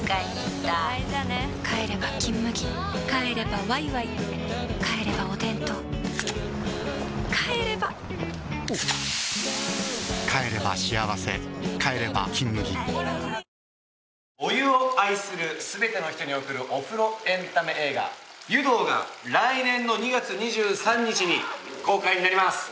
どうやらそれではお湯を愛する全ての人に送るお風呂エンタメ映画『湯道』が来年の２月２３日に公開になります。